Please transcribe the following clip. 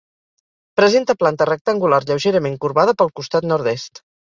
Presenta planta rectangular lleugerament corbada pel costat Nord-est.